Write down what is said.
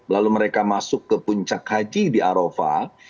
lalu mereka masuk ke puncak haji di arofah